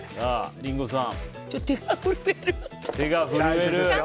リンゴさん！